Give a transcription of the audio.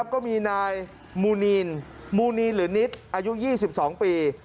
แล้วก็มีนายมูนีนมูนีนหรือนิตอายุยี่สิบสองปี